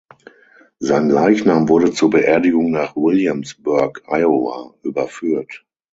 Sein Leichnam wurde zur Beerdigung nach Williamsburg, Iowa, überführt.